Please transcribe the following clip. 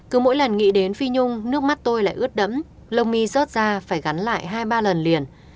cứ mỗi lần nghĩ đến phi nhung nước mắt tôi lại ướt đẫm lôngy rớt ra phải gắn lại hai ba lần liền